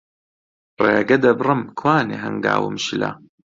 ڕێگە دەبڕم، کوانێ هەنگاوم شلە